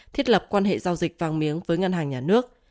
thiết lập quan hệ giao dịch vàng miếng với ngân hàng nhà nước